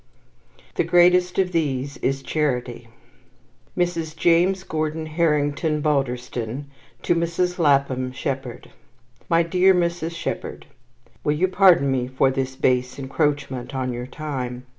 "The Greatest of These is Charity" Mrs. James Gordon Harrington Balderston to Mrs. Lapham Shepherd MY DEAR MRS. SHEPHERD, Will you pardon me for this base encroachment on your time?